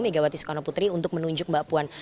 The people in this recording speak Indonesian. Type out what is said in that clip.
megawati soekarno putri untuk menunjuk mbak puan